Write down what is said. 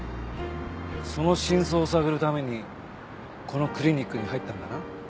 その真相を探るためにこのクリニックに入ったんだな。